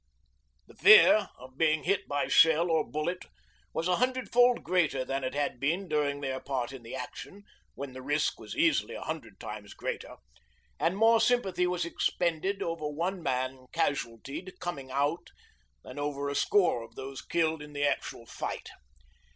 The fear of being hit by shell or bullet was a hundred fold greater than it had been during their part in the action, when the risk was easily a hundred times greater, and more sympathy was expended over one man 'casualtied' coming out than over a score of those killed in the actual fight.